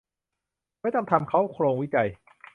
ไม่ต้องทำเค้าโครงวิจัย